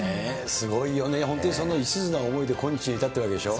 すごいよね、本当に一途な思いで今日に至ってるわけでしょ。